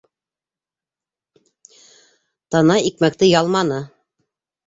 Тана икмәкте ялманы.